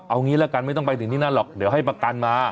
เอางี้ละกันไม่ต้องไปถึงที่นั่นหรอกเดี๋ยวให้ประกันมา